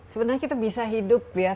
sebenarnya kita bisa hidup ya